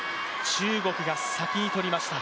中国が先に取りました。